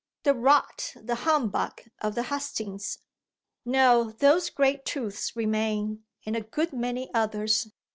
"The 'rot,' the humbug of the hustings." "No, those great truths remain, and a good many others.